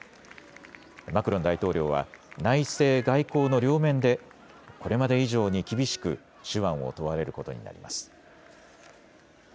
マクロン大統領は内政、外交の両面でこれまで以上に厳しく手腕を問われることになります。